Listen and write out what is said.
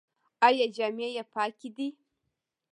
ایا جامې یې پاکې دي؟